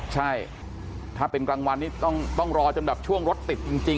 ใช่ถ้าเป็นกลางวันนี้ต้องรอจนแบบช่วงรถติดจริง